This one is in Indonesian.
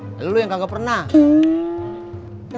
lalu lu yang gak pernah